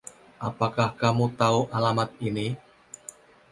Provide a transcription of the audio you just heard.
Apakah kamu tahu alamat ini...?